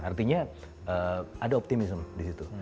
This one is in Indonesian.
artinya ada optimisme di situ